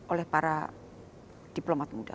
oleh para diplomat muda